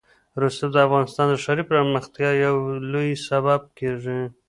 رسوب د افغانستان د ښاري پراختیا یو لوی سبب کېږي.